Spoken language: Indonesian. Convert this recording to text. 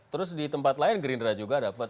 terus di tempat lain gerindra juga dapat